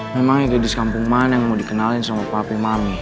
memang gadis kampung mana yang mau dikenalin sama pape mami